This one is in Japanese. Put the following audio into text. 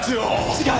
違う！